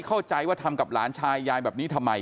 เข้าใจว่าทำกับหลานชายยายแบบนี้ทำไม